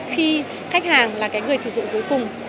khi khách hàng là người sử dụng cuối cùng